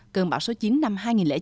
cơn bão số chín năm hai nghìn chín